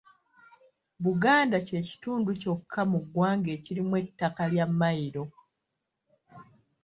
Buganda kye kitundu kyokka mu ggwanga ekirimu ettaka lya Mmayiro.